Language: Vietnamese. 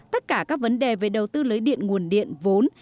tất cả các vấn đề về đầu tư lưới điện nguồn điện vốn